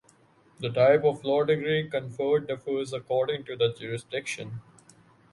The type of law degree conferred differs according to the jurisdiction.